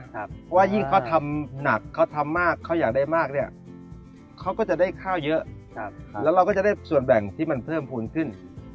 เพราะว่ายิ่งเขาทำหนักเขาทำมากเขาอยากได้มากเนี่ยเขาก็จะได้ข้าวเยอะแล้วเราก็จะได้ส่วนแบ่งที่มันเพิ่มภูมิขึ้น